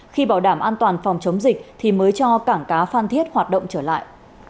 khi bảo đảm an toàn phòng chống dịch thì mới cho cảng cá phan thiết hoạt động trở lại